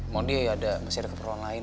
mondi masih ada keperluan lain